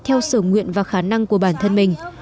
theo sở nguyện và khả năng của bản thân mình